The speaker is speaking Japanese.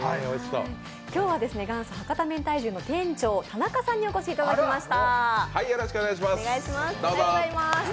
今日は元祖博多めんたい重の店長、田中さんにお越しいただきました。